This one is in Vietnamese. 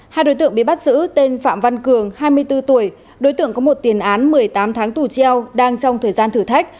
hai đối tượng bị bắt giữ tên phạm văn cường hai mươi bốn tuổi đối tượng có một tiền án một mươi tám tháng tù treo đang trong thời gian thử thách